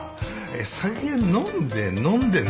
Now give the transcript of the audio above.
酒飲んで飲んでなんぼ。